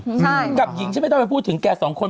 ใช่กับหญิงฉันไม่ต้องไปพูดถึงแกสองคน